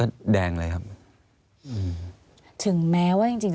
อันดับ๖๓๕จัดใช้วิจิตร